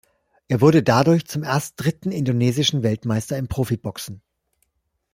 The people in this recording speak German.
Er wurde dadurch zum erst dritten indonesischen Weltmeister im Profiboxen.